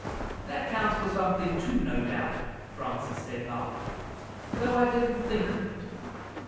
"That counts for something too, no doubt," Francis said laughing, "though I didn't think of it.